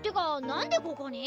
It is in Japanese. んでここに？